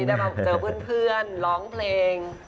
ได้มาเจอเพื่อนร้องเพลง